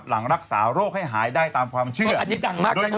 หลังรักษาโรคให้หายได้ตามความเชื่ออันนี้ดังมากนะเธอ